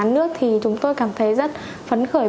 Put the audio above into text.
giảm giá nước thì chúng tôi cảm thấy rất phấn khởi